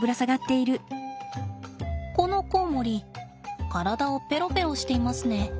このコウモリ体をぺろぺろしていますね。